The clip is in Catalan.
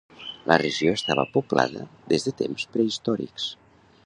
La regió estava poblada des de temps prehistòrics.